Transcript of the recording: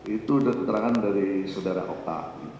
itu keterangan dari sudara oka